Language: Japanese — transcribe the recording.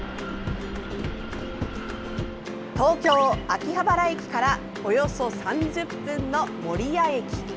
東京・秋葉原駅からおよそ３０分の守谷駅。